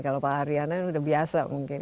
kalau pak haryana ini udah biasa mungkin